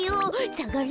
さがれ。